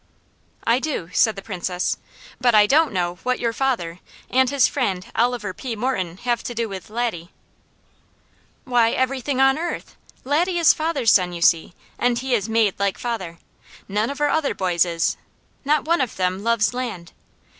"I do!" said the Princess. "But I don't know what your father and his friend Oliver P. Morton have to do with Laddie." "Why, everything on earth! Laddie is father's son, you see, and he is made like father. None of our other boys is. Not one of them loves land.